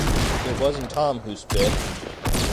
It wasn't Tom who spit.